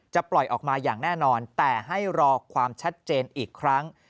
ปล่อยออกมาอย่างแน่นอนแต่ให้รอความชัดเจนอีกครั้ง